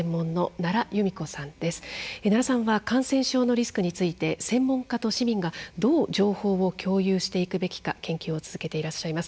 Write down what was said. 奈良さんは感染症のリスクについて専門家と市民がどう情報を共有していくべきか研究を続けていらっしゃいます。